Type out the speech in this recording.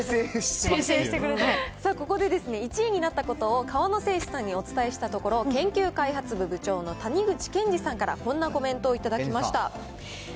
さあ、ここで１位になったことを河野製紙さんにお伝えしたところ、研究開発部部長の谷口健二さんからこんなコメントを頂きました。